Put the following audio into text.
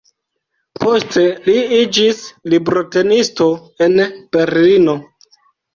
Poste li iĝis librotenisto en Berlino.